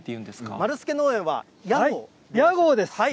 マル助農園は、屋号です。